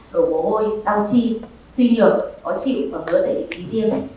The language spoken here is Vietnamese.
đổ mồ hôi đau chi suy nhược khó chịu và ngỡ tại định trí tiêm